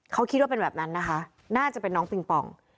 เขาคิดว่าเป็นแบบนั้นนะคะน่าจะเป็นน้องปิงปอง